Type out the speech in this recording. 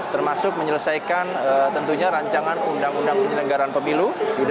termasuk menyelesaikan tentunya rancangan undang undang penyelenggaraan pemilu